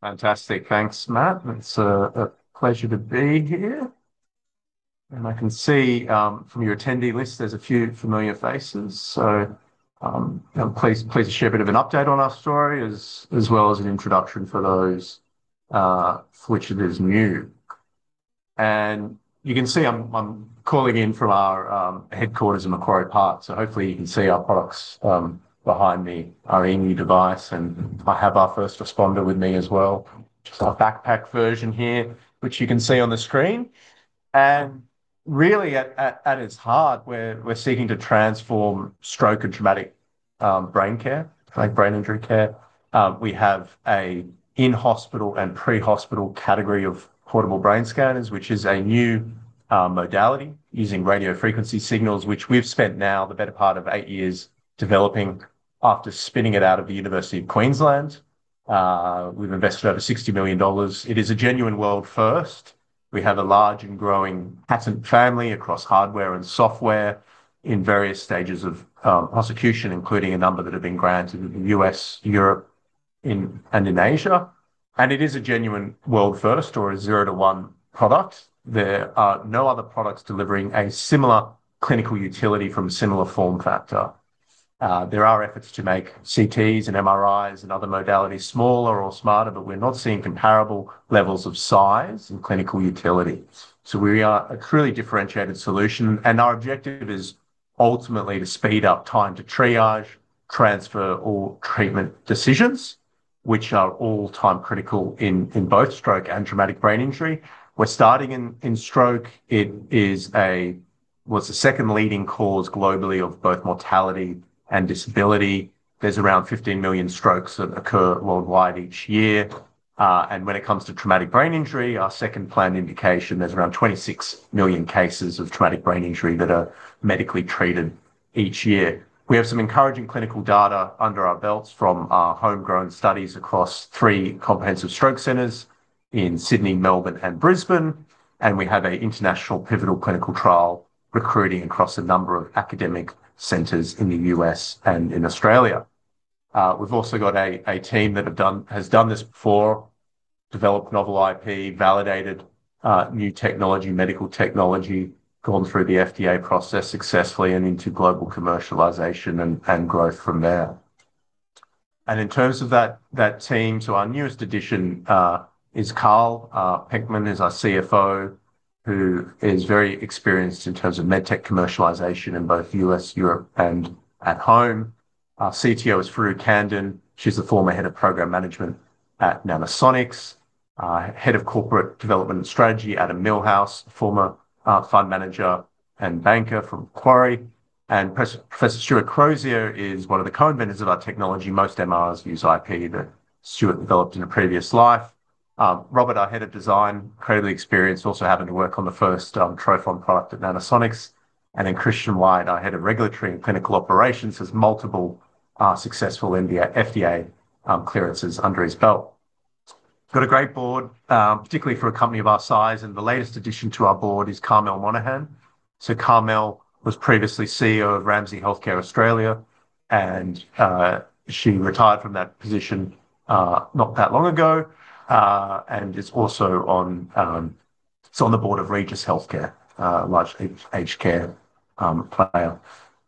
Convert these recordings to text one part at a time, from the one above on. Fantastic. Thanks, Matt. It's a pleasure to be here. I can see from your attendee list there's a few familiar faces. I'm pleased to share a bit of an update on our story as well as an introduction for those for which it is new. You can see I'm calling in from our headquarters in Macquarie Park. Hopefully you can see our products behind me. Our emu device, and I have our 1st Responder with me as well. Just our backpack version here, which you can see on the screen. Really at its heart, we're seeking to transform stroke and traumatic brain care, acute brain injury care. We have an in-hospital and pre-hospital category of portable brain scanners, which is a new modality using radio frequency signals, which we've spent now the better part of eight years developing after spinning it out of the University of Queensland. We've invested over 60 million dollars. It is a genuine world first. We have a large and growing patent family across hardware and software in various stages of prosecution, including a number that have been granted in U.S., Europe, and Asia. It is a genuine world-first or a zero to one product. There are no other products delivering a similar clinical utility from a similar form factor. There are efforts to make CTs and MRIs and other modalities smaller or smarter, but we're not seeing comparable levels of size and clinical utility. We are a truly differentiated solution, and our objective is ultimately to speed up time to triage, transfer or treatment decisions, which are all time critical in both stroke and traumatic brain injury. We're starting in stroke. It is well, it's the second leading cause globally of both mortality and disability. There's around 15 million strokes that occur worldwide each year. When it comes to traumatic brain injury, our second planned indication, there's around 26 million cases of traumatic brain injury that are medically treated each year. We have some encouraging clinical data under our belts from our homegrown studies across three Comprehensive Stroke Centers in Sydney, Melbourne and Brisbane, and we have an international pivotal clinical trial recruiting across a number of academic centers in the U.S. and in Australia. We've also got a team that has done this before, developed novel IP, validated new technology, medical technology, gone through the FDA process successfully and into global commercialization and growth from there. In terms of that team, our newest addition is Karl Pechmann, our CFO, who is very experienced in terms of med tech commercialization in both U.S., Europe and at home. Our CTO is Forough Khandan. She's the former head of program management at Nanosonics. Head of corporate development and strategy, Adam Millhouse, former fund manager and banker from Macquarie. Professor Stuart Crozier is one of the co-inventors of our technology. Most MRIs use IP that Stuart developed in a previous life. Robert, our head of design, incredibly experienced, also happened to work on the first trophon product at Nanosonics. Christian Wight, our Head of Regulatory and Clinical Operations, has multiple successful FDA clearances under his belt. Got a great board, particularly for a company of our size, and the latest addition to our board is Carmel Monaghan. Carmel was previously CEO of Ramsay Health Care Australia, and she retired from that position not that long ago. She is also on the board of Regis Healthcare, a large aged care player.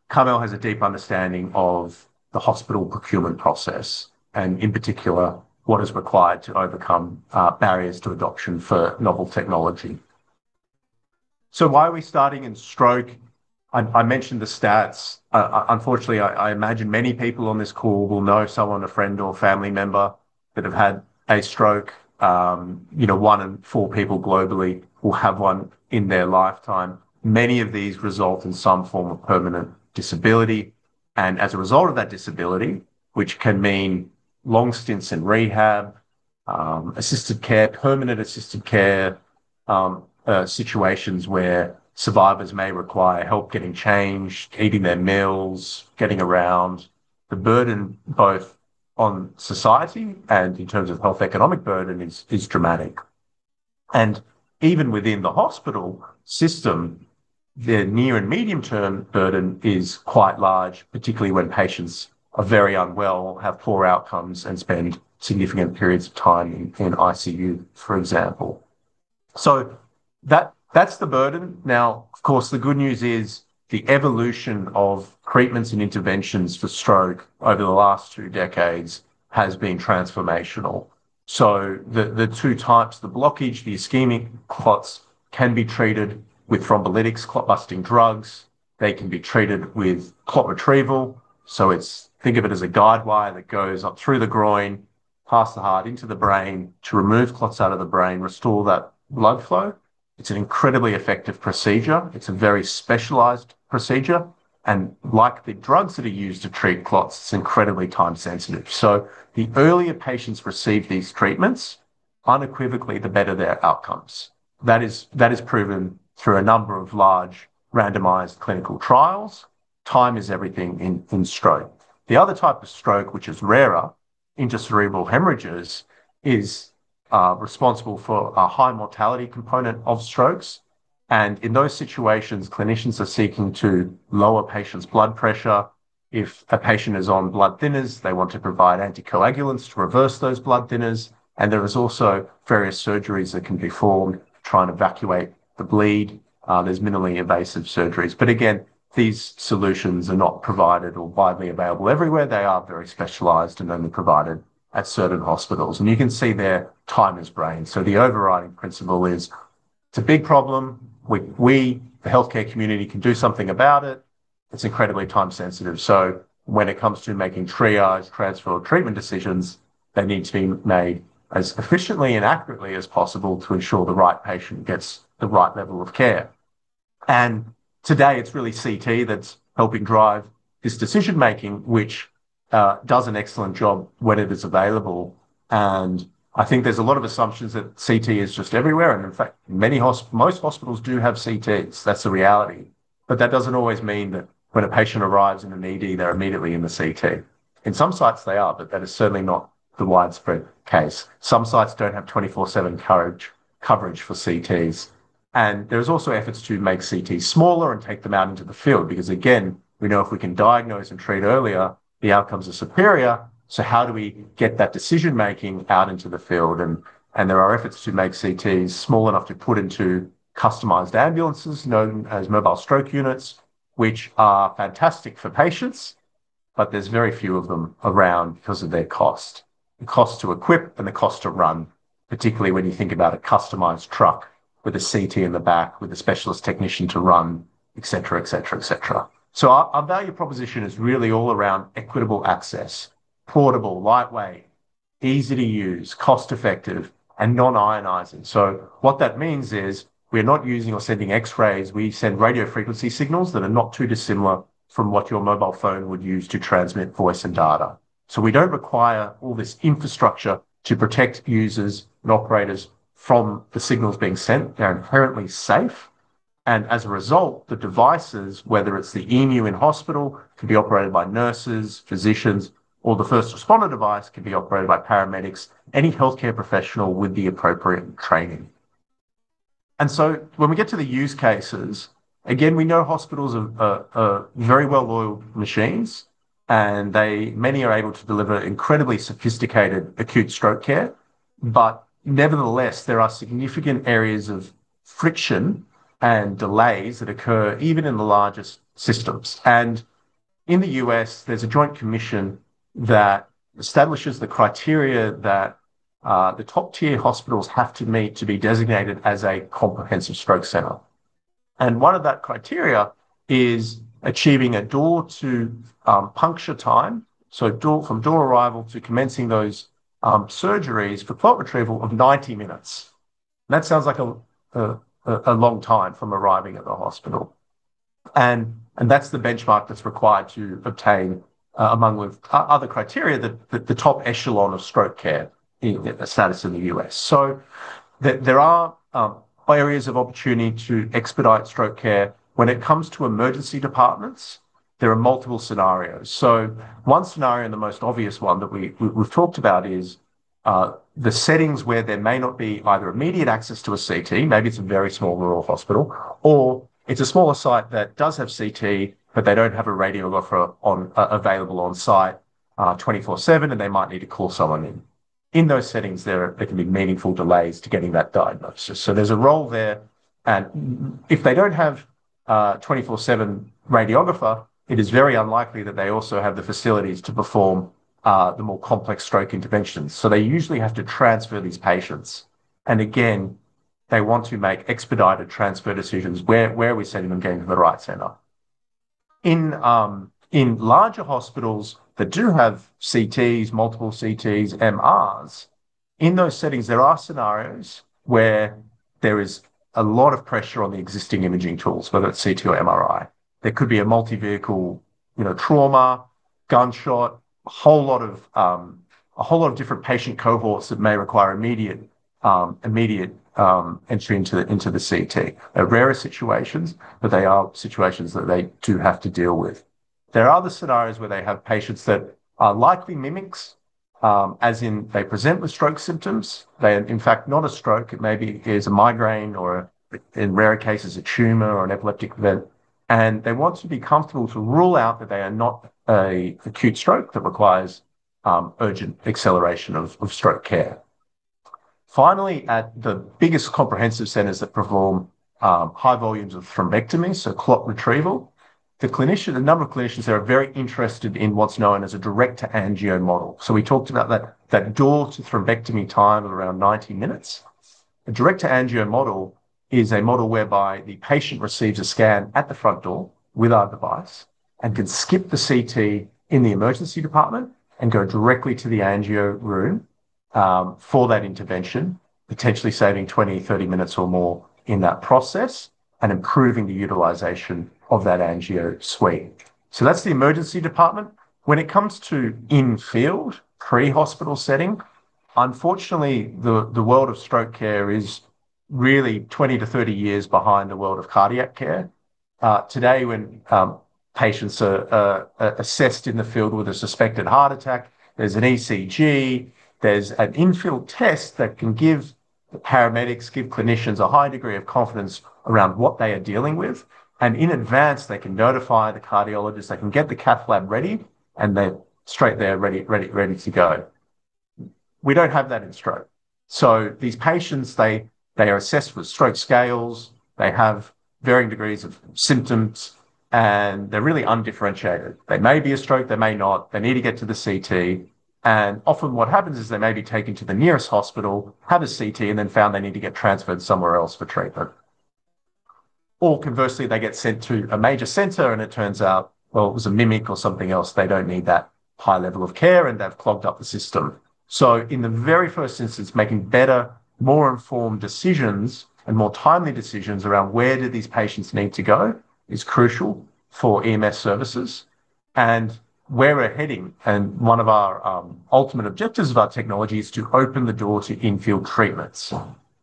Carmel has a deep understanding of the hospital procurement process and in particular, what is required to overcome barriers to adoption for novel technology. Why are we starting in stroke? I mentioned the stats. Unfortunately, I imagine many people on this call will know someone, a friend or family member that have had a stroke. You know, one in four people globally will have one in their lifetime. Many of these result in some form of permanent disability. As a result of that disability, which can mean long stints in rehab, assisted care, permanent assisted care, situations where survivors may require help getting changed, eating their meals, getting around. The burden both on society and in terms of health economic burden is dramatic. Even within the hospital system, the near and medium-term burden is quite large, particularly when patients are very unwell, have poor outcomes, and spend significant periods of time in ICU, for example. That, that's the burden. Now, of course, the good news is the evolution of treatments and interventions for stroke over the last two decades has been transformational. The two types, the blockage, the ischemic clots can be treated with thrombolytics, clot-busting drugs. They can be treated with clot retrieval. It's, think of it as a guide wire that goes up through the groin, past the heart, into the brain to remove clots out of the brain, restore that blood flow. It's an incredibly effective procedure. It's a very specialized procedure, and like the drugs that are used to treat clots, it's incredibly time sensitive. The earlier patients receive these treatments, unequivocally the better their outcomes. That is proven through a number of large randomized clinical trials. Time is everything in stroke. The other type of stroke, which is rarer, intracerebral hemorrhages, is responsible for a high mortality component of strokes. In those situations, clinicians are seeking to lower patients' blood pressure. If a patient is on blood thinners, they want to provide anticoagulants to reverse those blood thinners. There is also various surgeries that can be formed to try and evacuate the bleed. There's minimally invasive surgeries. Again, these solutions are not provided or widely available everywhere. They are very specialized and only provided at certain hospitals. You can see there, time is brain. The overriding principle is, it's a big problem. We, the healthcare community, can do something about it. It's incredibly time sensitive. When it comes to making triage, transfer, or treatment decisions, they need to be made as efficiently and accurately as possible to ensure the right patient gets the right level of care. Today, it's really CT that's helping drive this decision making, which does an excellent job whenever it's available. I think there's a lot of assumptions that CT is just everywhere, and in fact, most hospitals do have CTs. That's the reality. That doesn't always mean that when a patient arrives in an ED, they're immediately in the CT. In some sites, they are, but that is certainly not the widespread case. Some sites don't have 24/7 coverage for CTs. There's also efforts to make CTs smaller and take them out into the field because, again, we know if we can diagnose and treat earlier, the outcomes are superior. How do we get that decision making out into the field? There are efforts to make CTs small enough to put into customized ambulances, known as mobile stroke units, which are fantastic for patients, but there's very few of them around 'cause of their cost. The cost to equip and the cost to run, particularly when you think about a customized truck with a CT in the back, with a specialist technician to run, et cetera, et cetera, et cetera. Our value proposition is really all around equitable access, portable, lightweight, easy to use, cost-effective, and non-ionizing. What that means is we're not using or sending X-rays. We send radio frequency signals that are not too dissimilar from what your mobile phone would use to transmit voice and data. We don't require all this infrastructure to protect users and operators from the signals being sent. They're inherently safe. As a result, the devices, whether it's the emu in hospital, could be operated by nurses, physicians, or the First Responder device could be operated by paramedics, any healthcare professional with the appropriate training. When we get to the use cases, again, we know hospitals are very well-oiled machines, and many are able to deliver incredibly sophisticated acute stroke care. Nevertheless, there are significant areas of friction and delays that occur even in the largest systems. In the U.S., there's a Joint Commission that establishes the criteria that the top tier hospitals have to meet to be designated as a Comprehensive Stroke Center. One of that criteria is achieving a door to puncture time, from door arrival to commencing those surgeries for clot retrieval of 90 minutes. That sounds like a long time from arriving at the hospital. That's the benchmark that's required to obtain, among with other criteria, the top echelon of stroke care in the status in the U.S. There are areas of opportunity to expedite stroke care. When it comes to emergency departments, there are multiple scenarios. One scenario, and the most obvious one that we've talked about is the settings where there may not be either immediate access to a CT, maybe it's a very small rural hospital, or it's a smaller site that does have CT, but they don't have a radiographer on available on site 24/7, and they might need to call someone in. In those settings, there can be meaningful delays to getting that diagnosis. There's a role there. If they don't have a 24/7 radiographer, it is very unlikely that they also have the facilities to perform the more complex stroke interventions. They usually have to transfer these patients. They want to make expedited transfer decisions. Where are we sending them, getting to the right center? In larger hospitals that do have CTs, multiple CTs, MRs, in those settings, there are scenarios where there is a lot of pressure on the existing imaging tools, whether it's CT or MRI. There could be a multi-vehicle trauma, gunshot, a whole lot of different patient cohorts that may require immediate entry into the CT. They're rarer situations, but they are situations that they do have to deal with. There are other scenarios where they have patients that are likely mimics, as in they present with stroke symptoms. They are, in fact, not a stroke. It may be a migraine or, in rare cases, a tumor or an epileptic event. They want to be comfortable to rule out that they are not an acute stroke that requires urgent acceleration of stroke care. Finally, at the biggest comprehensive centers that perform high volumes of thrombectomy, so clot retrieval, the number of clinicians, they are very interested in what's known as a direct to angio model. We talked about that door to thrombectomy time of around 90 minutes. A direct to angio model is a model whereby the patient receives a scan at the front door with our device and can skip the CT in the emergency department and go directly to the angio room for that intervention, potentially saving 20, 30 minutes or more in that process and improving the utilization of that angio suite. That's the emergency department. When it comes to in-field pre-hospital setting, unfortunately, the world of stroke care is really 20-30 years behind the world of cardiac care. Today when patients are assessed in the field with a suspected heart attack, there's an ECG, there's an in-field test that can give the paramedics, give clinicians a high degree of confidence around what they are dealing with, and in advance, they can notify the cardiologist, they can get the cath lab ready, and they're straight there ready to go. We don't have that in stroke. These patients, they are assessed with stroke scales, they have varying degrees of symptoms, and they're really undifferentiated. They may be a stroke, they may not. They need to get to the CT, and often what happens is they may be taken to the nearest hospital, have a CT, and then found they need to get transferred somewhere else for treatment. Conversely, they get sent to a major center and it turns out, well, it was a mimic or something else, they don't need that high level of care and they've clogged up the system. In the very first instance, making better, more informed decisions and more timely decisions around where do these patients need to go is crucial for EMS services. Where we're heading, and one of our, ultimate objectives of our technology is to open the door to in-field treatments.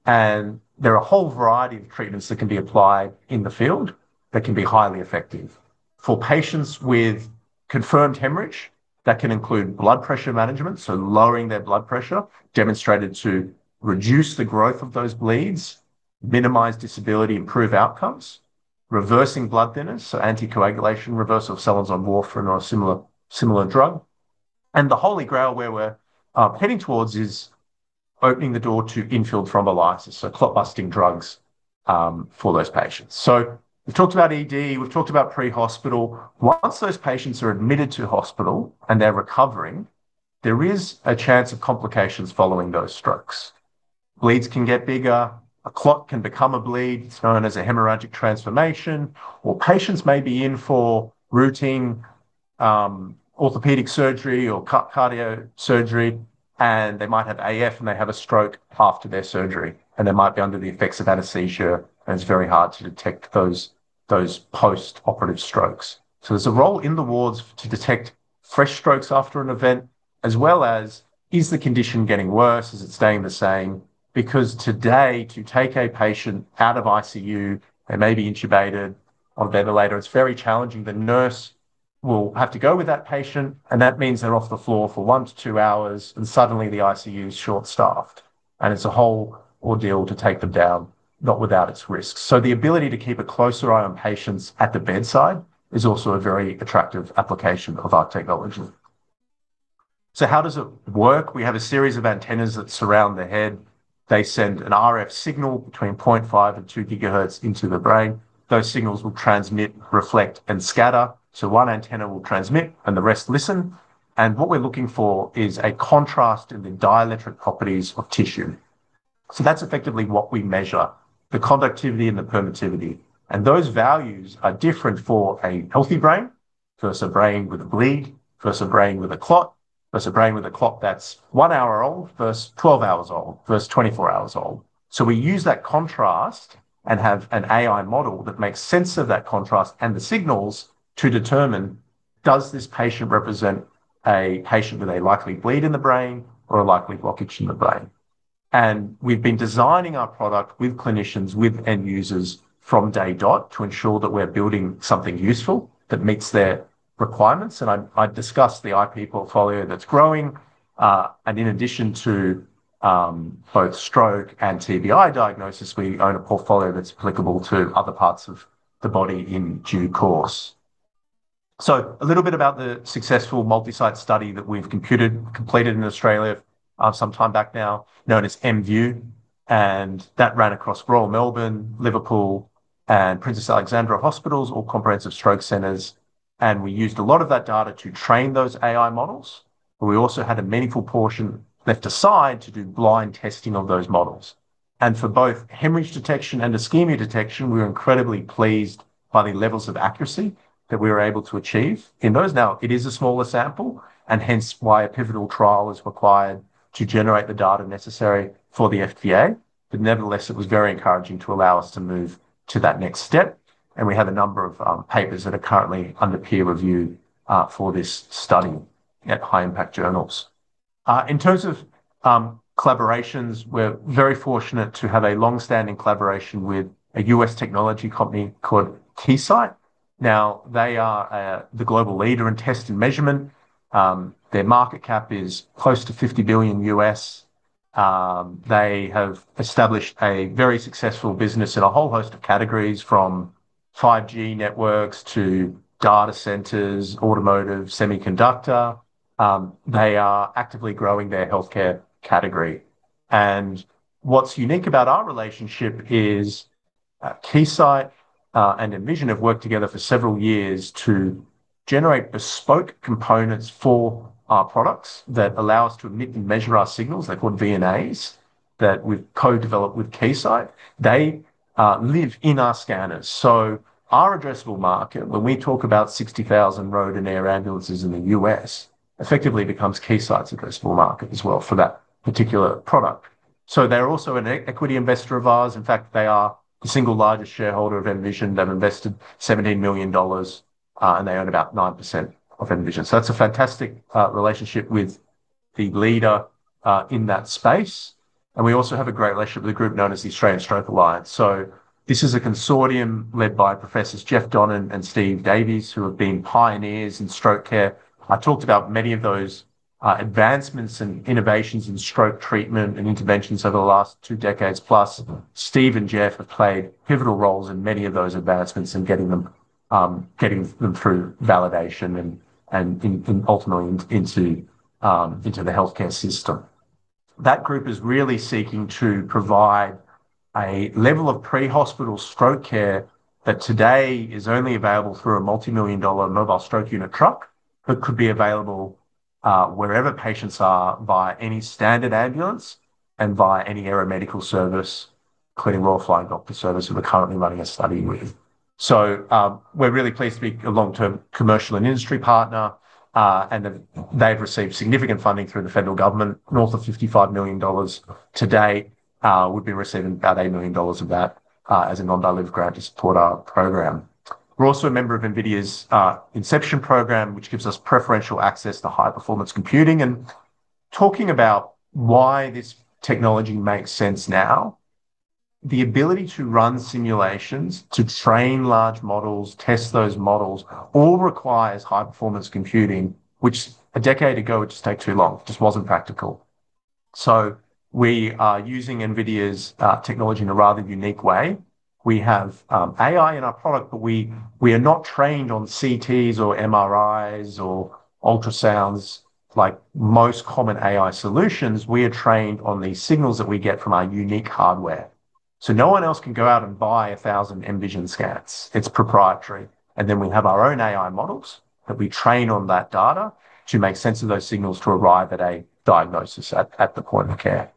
There are a whole variety of treatments that can be applied in the field that can be highly effective. For patients with confirmed hemorrhage, that can include blood pressure management, so lowering their blood pressure, demonstrated to reduce the growth of those bleeds, minimize disability, improve outcomes, reversing blood thinners, so anticoagulation, reversal of someone's on warfarin or a similar drug. The holy grail where we're heading towards is opening the door to in-field thrombolysis, so clot-busting drugs, for those patients. We've talked about ED, we've talked about pre-hospital. Once those patients are admitted to hospital and they're recovering, there is a chance of complications following those strokes. Bleeds can get bigger. A clot can become a bleed. It's known as a hemorrhagic transformation. Patients may be in for routine orthopedic surgery or cardio surgery, and they might have AF, and they have a stroke after their surgery, and they might be under the effects of anesthesia, and it's very hard to detect those post-operative strokes. There's a role in the wards to detect fresh strokes after an event, as well as is the condition getting worse, is it staying the same? Because today, to take a patient out of ICU, they may be intubated on ventilator, it's very challenging. The nurse will have to go with that patient, and that means they're off the floor for 1-2 hours, and suddenly the ICU is short-staffed. It's a whole ordeal to take them down, not without its risks. The ability to keep a closer eye on patients at the bedside is also a very attractive application of our technology. How does it work? We have a series of antennas that surround the head. They send an RF signal between 0.5 and 2 gigahertz into the brain. Those signals will transmit, reflect, and scatter. One antenna will transmit and the rest listen. What we're looking for is a contrast in the dielectric properties of tissue. That's effectively what we measure, the conductivity and the permittivity. Those values are different for a healthy brain versus a brain with a bleed, versus a brain with a clot, versus a brain with a clot that's one hour old, versus 12 hours old, versus 24 hours old. We use that contrast and have an AI model that makes sense of that contrast and the signals to determine, does this patient represent a patient with a likely bleed in the brain or a likely blockage in the brain? We've been designing our product with clinicians, with end users from day dot to ensure that we're building something useful that meets their requirements. I discussed the IP portfolio that's growing. In addition to both stroke and TBI diagnosis, we own a portfolio that's applicable to other parts of the body in due course. A little bit about the successful multi-site study that we've completed in Australia, some time back now, known as EMView, and that ran across Royal Melbourne, Liverpool, and Princess Alexandra Hospitals, all Comprehensive Stroke Centers, and we used a lot of that data to train those AI models, but we also had a meaningful portion left aside to do blind testing of those models. For both hemorrhage detection and ischemia detection, we were incredibly pleased by the levels of accuracy that we were able to achieve in those. Now, it is a smaller sample, and hence why a pivotal trial is required to generate the data necessary for the FDA. Nevertheless, it was very encouraging to allow us to move to that next step, and we have a number of papers that are currently under peer review for this study at high impact journals. In terms of collaborations, we're very fortunate to have a long-standing collaboration with a U.S. technology company called Keysight. Now, they are the global leader in test and measurement. Their market cap is close to $50 billion. They have established a very successful business in a whole host of categories, from 5G networks to data centers, automotive, semiconductor. They are actively growing their healthcare category. What's unique about our relationship is Keysight and EMVision have worked together for several years to generate bespoke components for our products that allow us to emit and measure our signals. They're called VNAs that we've co-developed with Keysight. They live in our scanners. Our addressable market, when we talk about 60,000 road and air ambulances in the U.S., effectively becomes Keysight's addressable market as well for that particular product. They're also an equity investor of ours. In fact, they are the single largest shareholder of EMVision. They've invested $17 million, and they own about 9% of EMVision. That's a fantastic relationship with the leader in that space. We also have a great relationship with a group known as the Australian Stroke Alliance. This is a consortium led by Professors Geoffrey Donnan and Stephen Davis, who have been pioneers in stroke care. I talked about many of those advancements and innovations in stroke treatment and interventions over the last 2 decades plus. Steve and Geoff have played pivotal roles in many of those advancements in getting them through validation and ultimately into the healthcare system. That group is really seeking to provide a level of pre-hospital stroke care that today is only available through a multi-million dollar mobile stroke unit truck, but could be available wherever patients are via any standard ambulance and via any aeromedical service, including Royal Flying Doctor Service, who we're currently running a study with. We're really pleased to be a long-term commercial and industry partner, and they've received significant funding through the federal government, north of 55 million dollars. Today, we've been receiving about 8 million dollars of that as a non-dilutive grant to support our program. We're also a member of NVIDIA's Inception program, which gives us preferential access to high-performance computing. Talking about why this technology makes sense now, the ability to run simulations, to train large models, test those models, all requires high-performance computing, which a decade ago, it just take too long. It just wasn't practical. We are using NVIDIA's technology in a rather unique way. We have AI in our product, but we are not trained on CTs or MRIs or ultrasounds like most common AI solutions. We are trained on the signals that we get from our unique hardware. No one else can go out and buy 1,000 EMVision scans. It's proprietary. Then we have our own AI models that we train on that data to make sense of those signals to arrive at a diagnosis at the point of care.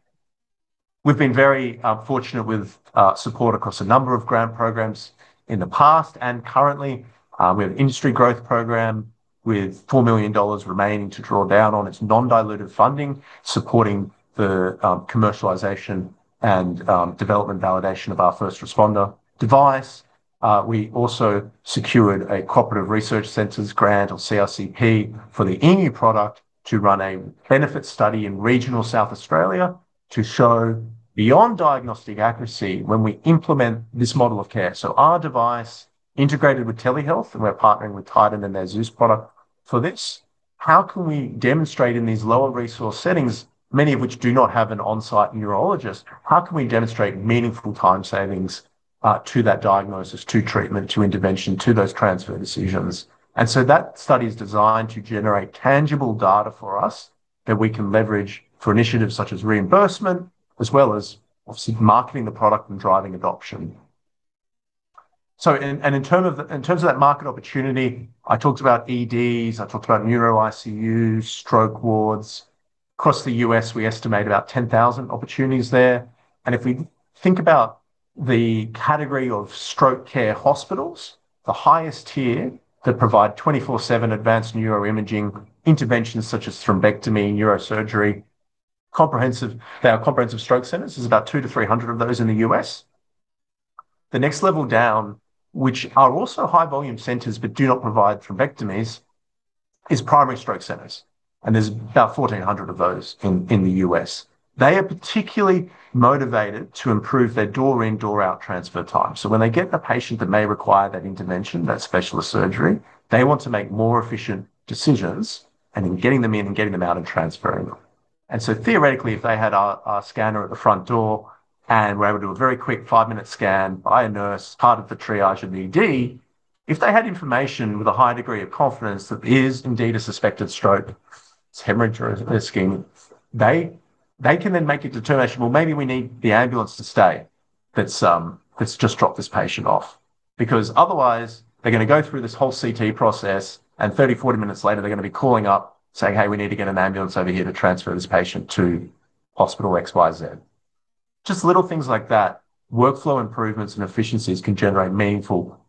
We've been very fortunate with support across a number of grant programs in the past and currently. We have an Industry Growth Program with 4 million dollars remaining to draw down on its non-dilutive funding, supporting the commercialization and development validation of our First Responder device. We also secured a Cooperative Research Centres Projects grant, or CRC-P, for the emu product to run a benefit study in regional South Australia to show beyond diagnostic accuracy when we implement this model of care. Our device integrated with telehealth, and we're partnering with Tytan and their Zeus product for this. How can we demonstrate in these lower resource settings, many of which do not have an on-site neurologist, how can we demonstrate meaningful time savings to that diagnosis, to treatment, to intervention, to those transfer decisions? That study is designed to generate tangible data for us that we can leverage for initiatives such as reimbursement, as well as obviously marketing the product and driving adoption. In terms of that market opportunity, I talked about EDs, neuro ICUs, stroke wards. Across the U.S., we estimate about 10,000 opportunities there. If we think about the category of stroke care hospitals, the highest tier that provide 24/7 advanced neuroimaging interventions such as thrombectomy and neurosurgery. They are Comprehensive Stroke Centers. There's about 200-300 of those in the U.S. The next level down, which are also high volume centers, but do not provide thrombectomies, is Primary Stroke Centers, and there's about 1,400 of those in the U.S. They are particularly motivated to improve their door-in, door-out transfer time. When they get a patient that may require that intervention, that specialist surgery, they want to make more efficient decisions and in getting them in and getting them out and transferring them. Theoretically, if they had our scanner at the front door and were able to do a very quick five-minute scan by a nurse, part of the triage in ED, if they had information with a high degree of confidence that there is indeed a suspected stroke, it's hemorrhage or ischemic, they can then make a determination, well, maybe we need the ambulance to stay that's just dropped this patient off because otherwise they're gonna go through this whole CT process and 30, 40 minutes later, they're gonna be calling up saying, "Hey, we need to get an ambulance over here to transfer this patient to hospital XYZ." Just little things like that. Workflow improvements and efficiencies can generate meaningful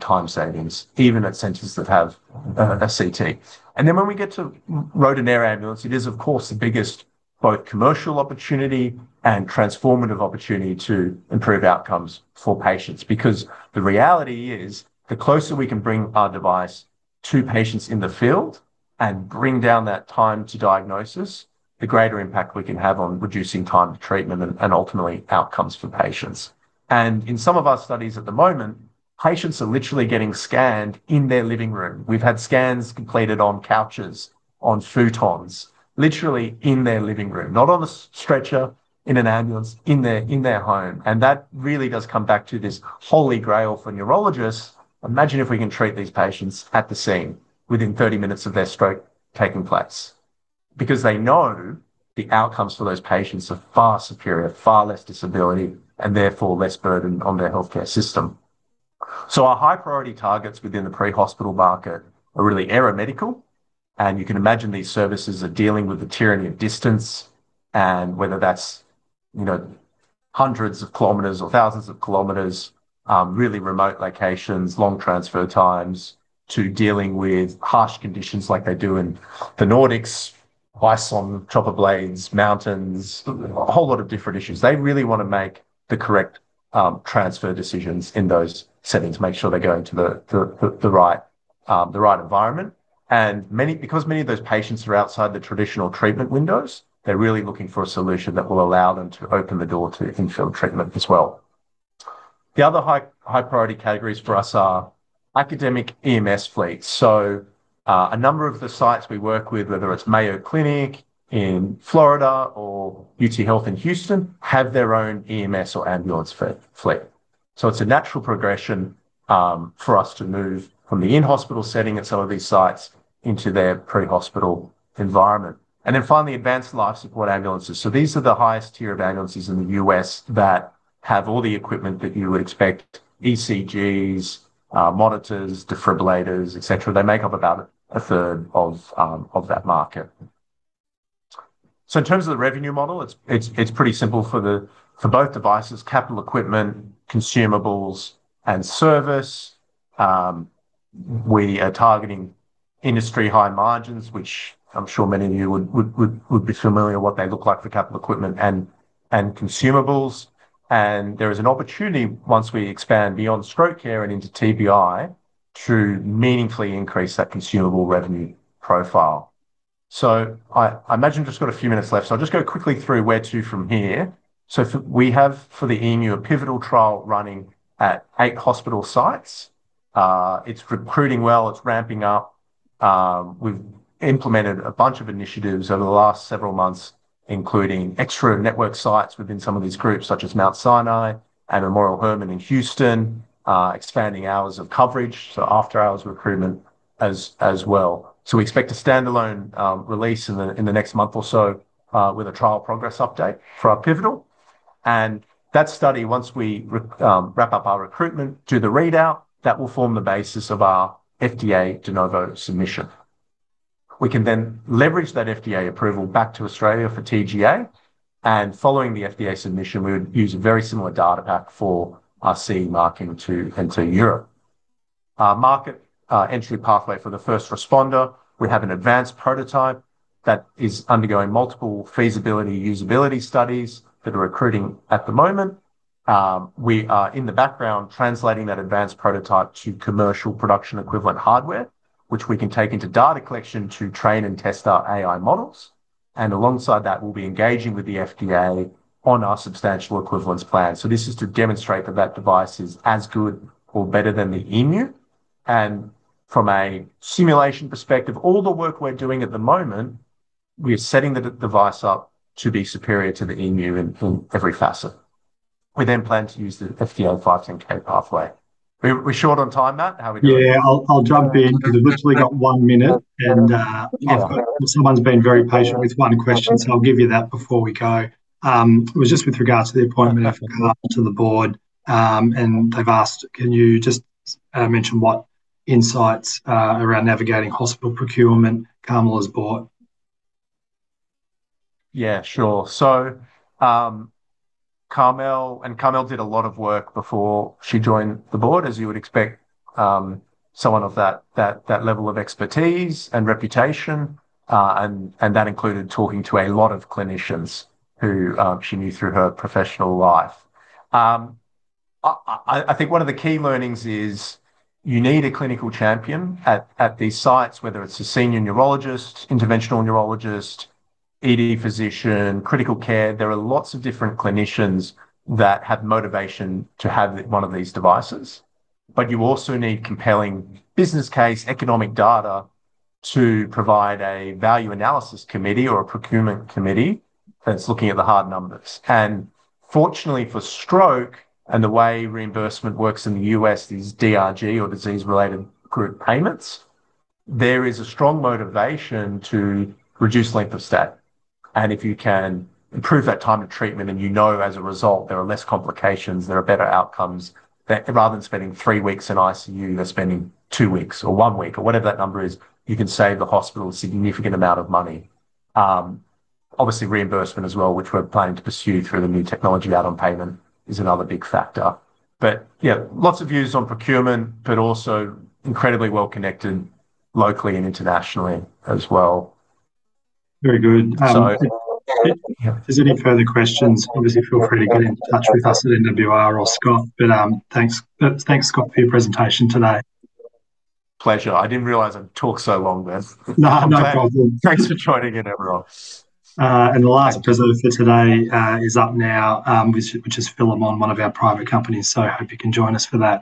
time savings even at centers that have a CT. Then when we get to road and air ambulance, it is of course the biggest both commercial opportunity and transformative opportunity to improve outcomes for patients. Because the reality is, the closer we can bring our device to patients in the field and bring down that time to diagnosis, the greater impact we can have on reducing time to treatment and ultimately outcomes for patients. In some of our studies at the moment, patients are literally getting scanned in their living room. We've had scans completed on couches, on futons, literally in their living room, not on a stretcher, in an ambulance, in their home. That really does come back to this holy grail for neurologists. Imagine if we can treat these patients at the scene within 30 minutes of their stroke taking place because they know the outcomes for those patients are far superior, far less disability, and therefore less burden on their healthcare system. Our high priority targets within the pre-hospital market are really aeromedical. You can imagine these services are dealing with the tyranny of distance, and whether that's, you know, hundreds of kilometers or thousands of kilometers, really remote locations, long transfer times to dealing with harsh conditions like they do in the Nordics, ice on chopper blades, mountains, a whole lot of different issues. They really wanna make the correct transfer decisions in those settings, make sure they're going to the right environment, and because many of those patients are outside the traditional treatment windows, they're really looking for a solution that will allow them to open the door to in-field treatment as well. The other high priority categories for us are academic EMS fleets. A number of the sites we work with, whether it's Mayo Clinic in Florida or UTHealth Houston, have their own EMS or ambulance fleet. It's a natural progression for us to move from the in-hospital setting at some of these sites into their pre-hospital environment. Finally, advanced life support ambulances. These are the highest tier of ambulances in the U.S. that have all the equipment that you would expect, ECGs, monitors, defibrillators, et cetera. They make up about a third of that market. In terms of the revenue model, it's pretty simple for both devices, capital equipment, consumables and service. We are targeting industry high margins, which I'm sure many of you would be familiar what they look like for capital equipment and consumables. There is an opportunity once we expand beyond stroke care and into TBI to meaningfully increase that consumable revenue profile. I imagine just got a few minutes left, I'll just go quickly through where to from here. We have for the emu, a pivotal trial running at eight hospital sites. It's recruiting well, it's ramping up. We've implemented a bunch of initiatives over the last several months, including extra network sites within some of these groups, such as Mount Sinai and Memorial Hermann in Houston, expanding hours of coverage, so after-hours recruitment as well. We expect a standalone release in the next month or so, with a trial progress update for our pivotal. That study, once we wrap up our recruitment, do the readout, that will form the basis of our FDA De Novo submission. We can then leverage that FDA approval back to Australia for TGA, and following the FDA submission, we would use a very similar data pack for our CE marking to enter Europe. Our market entry pathway for the First Responder, we have an advanced prototype that is undergoing multiple feasibility, usability studies that are recruiting at the moment. We are in the background translating that advanced prototype to commercial production equivalent hardware, which we can take into data collection to train and test our AI models. Alongside that, we'll be engaging with the FDA on our substantial equivalence plan. This is to demonstrate that that device is as good or better than the EMU. From a simulation perspective, all the work we're doing at the moment, we are setting the device up to be superior to the EMU in every facet. We then plan to use the FDA 510(k) pathway. We short on time, Matt? How are we going? Yeah. I'll jump in. We've literally got one minute and someone's been very patient with one question, so I'll give you that before we go. It was just with regards to the appointment of Carmel to the board. They've asked, can you just mention what insights around navigating hospital procurement Carmel has brought? Yeah, sure. Carmel, and Carmel did a lot of work before she joined the board, as you would expect, someone of that level of expertise and reputation. That included talking to a lot of clinicians who she knew through her professional life. I think one of the key learnings is you need a clinical champion at these sites, whether it's a senior neurologist, interventional neurologist, ED physician, critical care. There are lots of different clinicians that have motivation to have one of these devices. But you also need compelling business case, economic data to provide a value analysis committee or a procurement committee that's looking at the hard numbers. Fortunately for stroke and the way reimbursement works in the U.S. is DRG or disease-related group payments, there is a strong motivation to reduce length of stay. If you can improve that time to treatment and you know, as a result, there are less complications, there are better outcomes, that rather than spending three weeks in ICU, they're spending two weeks or one week or whatever that number is, you can save the hospital a significant amount of money. Obviously reimbursement as well, which we're planning to pursue through the New Technology Add-on Payment is another big factor. Yeah, lots of views on procurement, but also incredibly well connected locally and internationally as well. Very good. So If there's any further questions, obviously feel free to get in touch with us at NWR or Scott. Thanks, Scott, for your presentation today. Pleasure. I didn't realize I'd talk so long then. No, no problem. Thanks for joining in, everyone. The last presenter for today is up now, which is Phillip on one of our private companies. Hope you can join us for that.